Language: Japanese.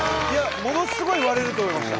ものすごい割れると思いました。